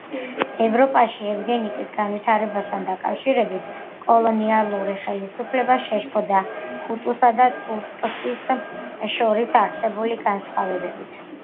ევროპაში ევგენიკის განვითარებასთან დაკავშირებით კოლონიალური ხელისუფლება შეშფოთდა ჰუტუსა და ტუტსის შორის არსებული განსხვავებებით.